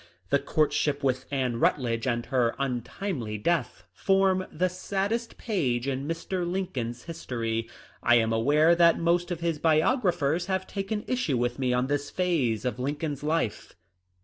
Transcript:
The courtship with Anne Rutledge and her untimely death form the saddest page in Mr. Lincoln's history. I am aware that most of his biographers have taken issue with me on this phase of Mr. Lincoln's life.